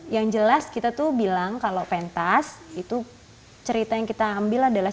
yang jelas kita tuh bilang kalau pentas itu cerita yang kita ambil adalah